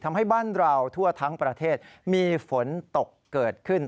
ทำให้บ้านเราทั่วทั้งประเทศมีฝนตกเกิดขึ้น